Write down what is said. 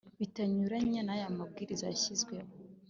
bitanyuranya n aya mabwiriza yashyizweho